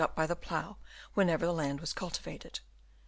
223 up by the plough whenever the land was cultivated.